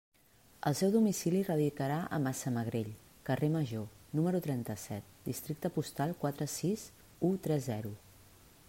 El seu domicili radicarà a Massamagrell, carrer Major, número trenta-set, districte postal quatre sis u tres zero.